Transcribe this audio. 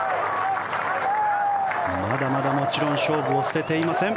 まだまだ、もちろん勝負を捨てていません。